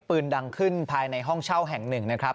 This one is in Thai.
ปืนดังขึ้นภายในห้องเช่าแห่งหนึ่งนะครับ